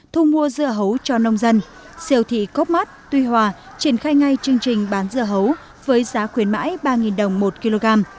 thu mua dưa hấu cho nông dân siêu thị cốt mát tuy hòa triển khai ngay chương trình bán dưa hấu với giá khuyến mãi ba đồng một kg